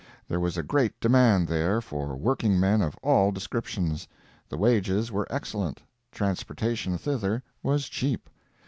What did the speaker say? There was a great demand there for workingmen of all descriptions; the wages were excellent; transportation thither was cheap.